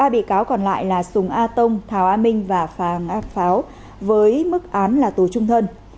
ba bị cáo còn lại là sùng a tông thảo a minh và phạm a pháo với mức án là tù trung thân